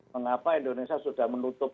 mengapa indonesia sudah menutup